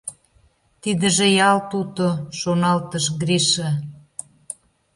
«Тидыже ялт уто, — шоналтыш Гриша.